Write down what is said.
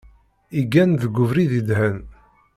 Igen deg ubrid yedhen.